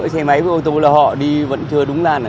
xe máy với ô tô là họ đi vẫn chưa đúng làn